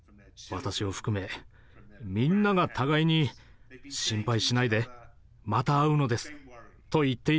私を含めみんなが互いに「心配しないでまた会うのです」と言っていたからです。